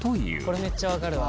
これめっちゃ分かるわ。